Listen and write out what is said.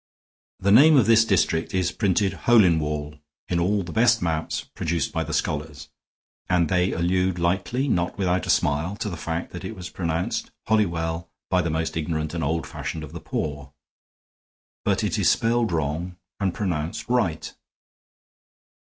The name of this district is printed Holinwall in all the best maps produced by the scholars; and they allude lightly, not without a smile, to the fact that it was pronounced Holiwell by the most ignorant and old fashioned of the poor. But it is spelled wrong and pronounced right."